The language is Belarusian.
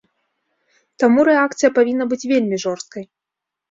Таму рэакцыя павінна быць вельмі жорсткай.